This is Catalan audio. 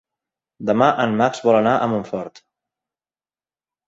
Demà en Max vol anar a Montfort.